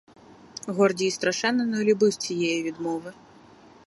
Гордій страшенно не любив цієї відмови.